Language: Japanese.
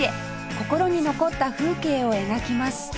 心に残った風景を描きます